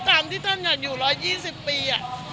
ตามที่ท่านอยู่๑๒๐ปี